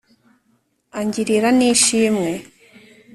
angirira n'ishimwe.